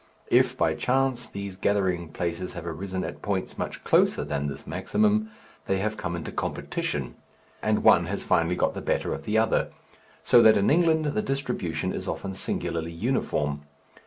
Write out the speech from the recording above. If by chance these gathering places have arisen at points much closer than this maximum, they have come into competition, and one has finally got the better of the other, so that in England the distribution is often singularly uniform.